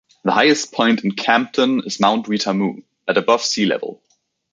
The highest point in Campton is Mount Weetamoo, at above sea level.